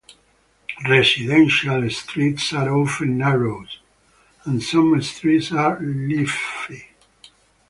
Residential streets are often narrow, and some streets are leafy.